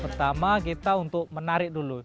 pertama kita untuk menarik dulu